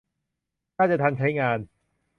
น่าจะทันใช้งาน